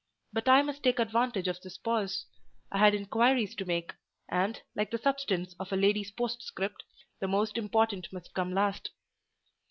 But I must take advantage of this pause: I had inquiries to make, and, like the substance of a lady's postscript, the most important must come last.